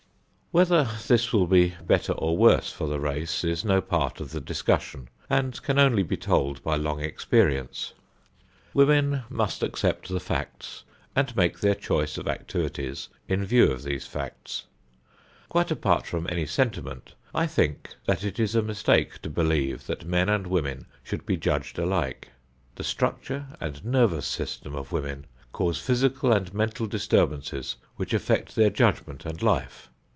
Whether this will be better or worse for the race is no part of the discussion, and can only be told by long experience. Women must accept the facts and make their choice of activities in view of these facts. Quite apart from any sentiment, I think that it is a mistake to believe that men and women should be judged alike. The structure and nervous system of women cause physical and mental disturbances which affect their judgment and life.